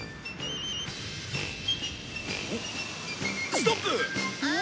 ストップ！ん？